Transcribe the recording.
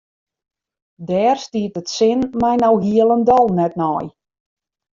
Dêr stiet it sin my no hielendal net nei.